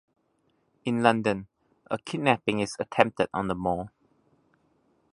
In London, a kidnapping is attempted on the Mall.